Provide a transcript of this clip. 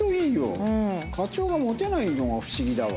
課長がモテないのが不思議だわ。